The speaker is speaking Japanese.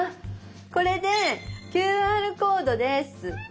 これで「ＱＲコード」です。